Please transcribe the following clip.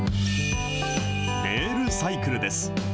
レールサイクルです。